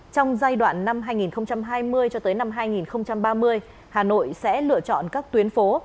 trong giai đoạn năm hai nghìn hai mươi cho tới năm hai nghìn ba mươi hà nội sẽ lựa chọn các tuyến phố